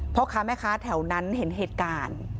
พ่อค้าแม่ค้าแถวนั้นเห็นเหตุการณ์